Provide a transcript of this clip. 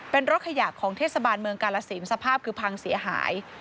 เป็นรถขยะของเทศบาลเมืองกาลสินสภาพคือพังเสียหาย